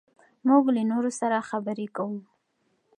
موږ له نورو سره خبرې کوو.